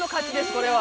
これは。